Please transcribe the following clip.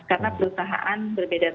karena perusahaan berbeda